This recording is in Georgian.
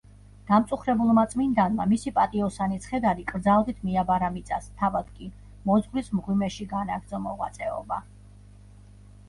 დამწუხრებულმა წმინდანმა მისი პატიოსანი ცხედარი კრძალვით მიაბარა მიწას, თავად კი მოძღვრის მღვიმეში განაგრძო მოღვაწეობა.